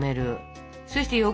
そして横。